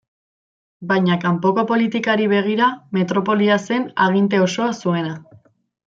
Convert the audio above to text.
Baina kanpoko politikari begira metropolia zen aginte osoa zuena.